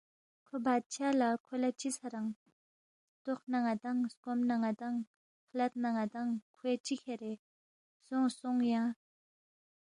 کھو بادشاہ لہ، کھو لہ چِہ ژھرانگ ؟ ہلتوخ نہ ن٘دانگ، سکوم نہ ن٘دانگ، خلد نہ ن٘دانگ، کھوے چِہ کھیرے؟ سونگ سونگ یا